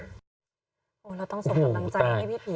เราต้องส่งกำลังใจให้พี่ผี